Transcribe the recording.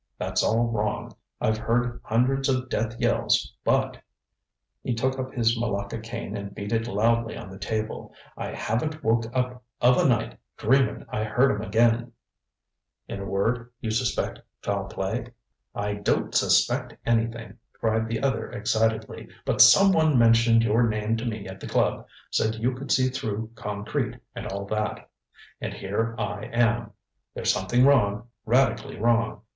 That's all wrong. I've heard hundreds of death yells, butŌĆØ he took up his malacca cane and beat it loudly on the table ŌĆ£I haven't woke up of a night dreamin' I heard 'em again. ŌĆØ ŌĆ£In a word, you suspect foul play? ŌĆØ ŌĆ£I don't suspect anything! ŌĆØ cried the other excitedly, ŌĆ£but someone mentioned your name to me at the club said you could see through concrete, and all that and here I am. There's something wrong, radically wrong.